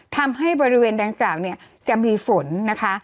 ทำให้บริเวณดังกล่าวเนี่ยจะมีฝนนะคะ